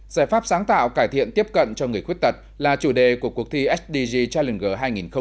giải pháp sáng tạo cải thiện tiếp cận cho người khuyết tật là chủ đề của cuộc thi sdg challenger hai nghìn một mươi chín